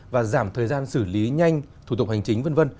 và giảm thời gian xử lý nhanh thủ tục hành chính v v